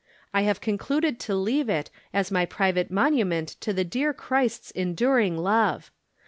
I have con cluded to leave it as my private monument to the dear Christ's enduring love.